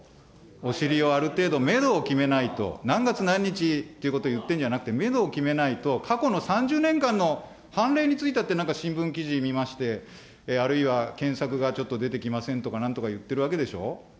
お尻をある程度、メドを決めないと、何月何日ということを言ってんじゃなくて、メドを決めないと、過去の３０年間の判例についてだって新聞記事見まして、あるいは検索がちょっと出てきませんとかなんとか言ってるわけでしょ。